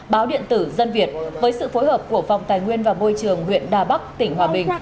báo điện tử dân việt với sự phối hợp của phòng tài nguyên và môi trường huyện đà bắc tỉnh hòa bình